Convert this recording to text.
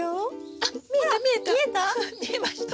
あっ見えた見えた！